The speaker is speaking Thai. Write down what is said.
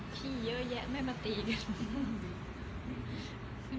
พี่เยอะแยะไม่มาตีกัน